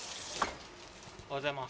おはようございます。